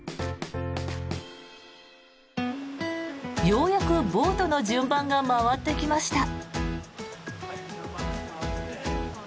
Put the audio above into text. ようやくボートの順番が回ってきました。